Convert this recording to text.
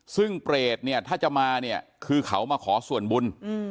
ซึ่งเปรตถ้าจะมาคือเขามาขอส่วนบุญ